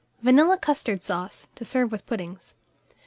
VANILLA CUSTARD SAUCE, to serve with Puddings.